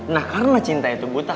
nah karena cinta itu buta